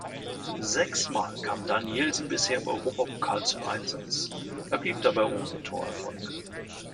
Sechs Mal kam Danielsen bisher im Europapokal zum Einsatz, er blieb dabei ohne Torerfolg.